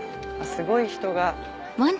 すごい人が。